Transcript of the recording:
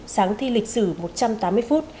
sáng thi lịch sử một trăm tám mươi phút